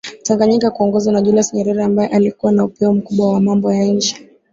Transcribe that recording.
Tanganyika kuongozwa na Julius Nyerere ambaye alikuwa na upeo mkubwa wa mambo ya nje